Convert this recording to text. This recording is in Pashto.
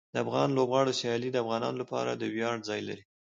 د افغان لوبغاړو سیالۍ د افغانانو لپاره د ویاړ ځای لري.